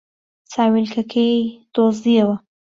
چاویلکەکەی دۆزییەوە.